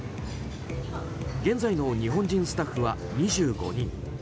現在の日本人スタッフは２５人。